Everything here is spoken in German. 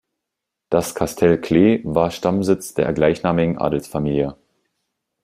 Das Castel Cles war Stammsitz der gleichnamigen Adelsfamilie.